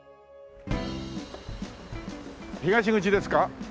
東口ですか？